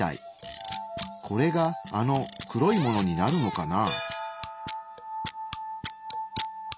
これがあの黒いものになるのかな？